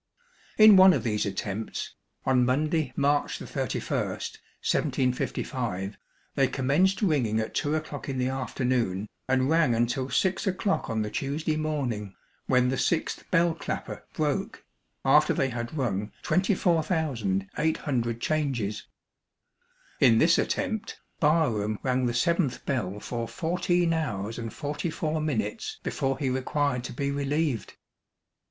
In one of these attempts, on Monday, March 31, 1755, they commenced ringing at two o'clock in the afternoon, and rang until six o'clock on the Tuesday morning, when the sixth bell clapper broke, after they had rung 24,800 changes. In this attempt, Barham rang the seventh bell for fourteen hours and forty four minutes before he required to be relieved.